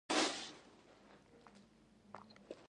یوازې شل کښتۍ تاریخ یې له میلاده پنځه سوه کاله مخکې دی.